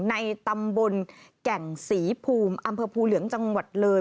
ในตำบลแก่งศรีภูมิอำเภอภูเหลืองจังหวัดเลย